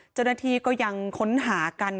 เจ้าหน้าที่ก็ยังค้นหากัน